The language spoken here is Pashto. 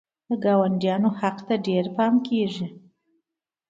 د ګاونډیانو حق ته ډېر پام کیږي.